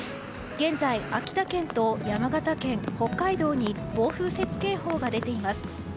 現在、秋田県と山形県北海道に暴風雪警報が出ています。